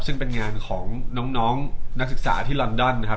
ซึ่งเป็นงานของน้องนักศึกษาที่ลอนดอนนะครับ